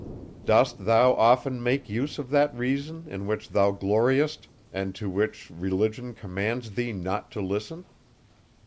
Dost thou often make use of that reason, in which thou gloriest, and to which religion commands thee not to listen?